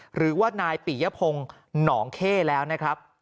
หรือว่านายปิยพงศ์หนองเข้แล้วนะครับ